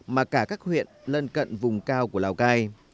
mà cả các huyện lân cận vùng cao của lào cai